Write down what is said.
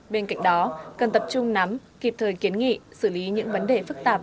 bên cạnh đó cần tập trung nắm kịp thời kiến nghị xử lý những vấn đề phức tạp